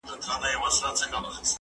زه مخکي انځور ليدلی و!